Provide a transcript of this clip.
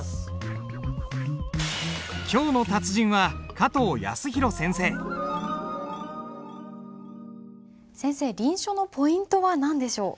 今日の達人は先生臨書のポイントは何でしょう？